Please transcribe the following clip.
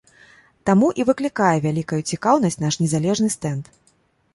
Таму і выклікае вялікаю цікаўнасць наш незалежны стэнд.